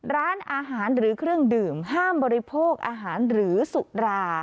ร้านอาหารหรือเครื่องดื่มห้ามบริโภคอาหารหรือสุรา